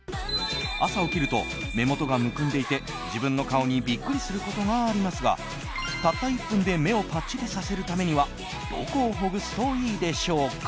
朝起きると目元がむくんでいて自分の顔にビックリすることがありますがたった１分で目をパッチリさせるためにはどこをほぐすといいでしょうか。